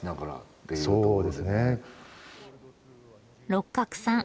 六角さん